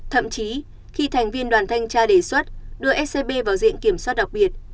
thậm chí khi thành viên đoàn thanh tra đề xuất đưa scb vào diện kiểm soát đặc biệt